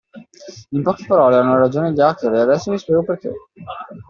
In poche parole hanno ragione gli hacker e adesso vi spiego perché!